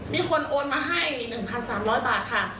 มีคนโอนมาให้๑๓๐๐บาทค่ะ